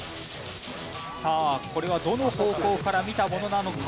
さあこれはどの方向から見たものなのか？